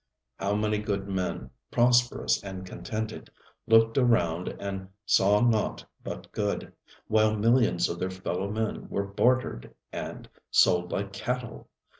How many good men, prosperous and contented, looked around and saw naught but good, while millions of their fellowmen were bartered and sold like cattle!